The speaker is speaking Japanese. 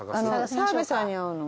澤部さんに合うの。